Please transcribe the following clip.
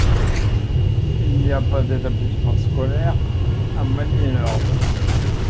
Il n'y a pas d'établissement scolaire à Magny-Lormes.